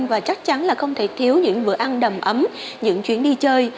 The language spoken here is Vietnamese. và chắc chắn là không thể thiếu những bữa ăn đầm ấm những chuyến đi chơi